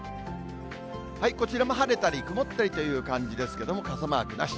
こちらも晴れたり曇ったりという感じですけれども、傘マークなし。